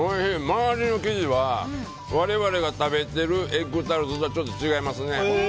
周りの生地は我々が食べてるエッグタルトとはちょっと違いますね。